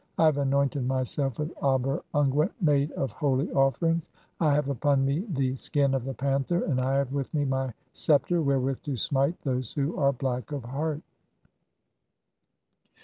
I have anointed myself with dber unguent [made] of "holy offerings, I have upon me the (20) skin of the panther, "and I have with me my sceptre wherewith to smite those who "are black of heart."